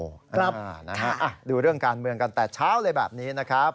ครับนะฮะดูเรื่องการเมืองกันแต่เช้าเลยแบบนี้นะครับ